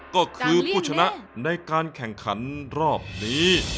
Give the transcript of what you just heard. ก็คือผู้ชนะในการแข่งขันรอบนี้